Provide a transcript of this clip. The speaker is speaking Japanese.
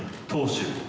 投手